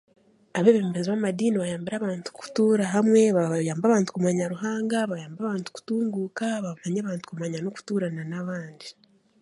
Abeebembezi b'amadiini bayambire abantu kutuura hamwe babayambire abantu kumanya Ruhanga baayamba abantu kutunguuka, baamanya abantu kumanyana n'okutuurana n'abandi